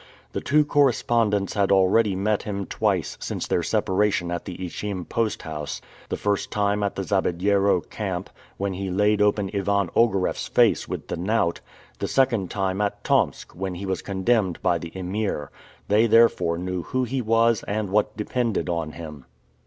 The two correspondents had already met him twice since their separation at the Ichim post house the first time at the Zabediero camp, when he laid open Ivan Ogareff's face with the knout; the second time at Tomsk, when he was condemned by the Emir. They therefore knew who he was and what depended on him.